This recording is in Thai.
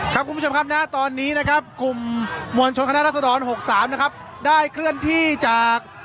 คุณผู้ชมครับณตอนนี้นะครับกลุ่มมวลชนคณะรัศดร๖๓นะครับได้เคลื่อนที่จาก